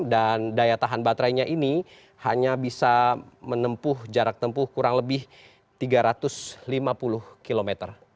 dan daya tahan baterainya ini hanya bisa menempuh jarak tempuh kurang lebih tiga ratus lima puluh km